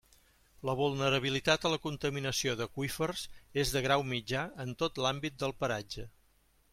La vulnerabilitat a la contaminació d'aqüífers és de grau mitjà en tot l'àmbit del paratge.